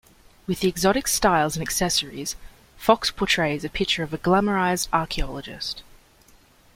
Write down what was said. With the exotic styles and accessories, Fox portrays a picture of a glamorized archaeologist.